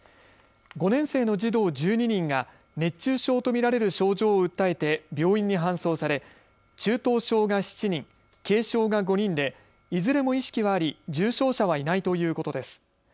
５年生の児童１２人が熱中症と見られる症状を訴えて病院に搬送され中等症が７人、軽症が５人でいずれも意識はあり重症者はいないということです。